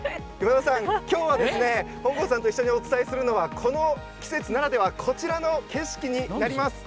今日、本郷さんと一緒にお伝えするのはこの季節ならではこちらの景色になります。